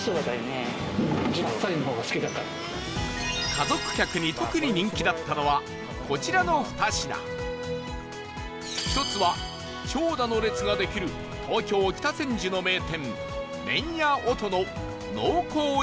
家族客に特に人気だったのはこちらの２品１つは、長蛇の列ができる東京・北千住の名店麺屋音の濃厚煮干しそば